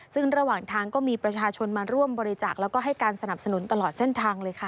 ซึ่งระหว่างทางก็มีประชาชนมาร่วมบริจาคแล้วก็ให้การสนับสนุนตลอดเส้นทางเลยค่ะ